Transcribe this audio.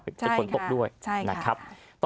เป็นฝนตกด้วยนะครับ